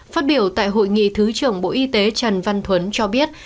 phát biểu tại hội nghị thứ trưởng bộ y tế trần văn thuấn cho biết